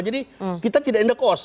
jadi kita tidak indah kos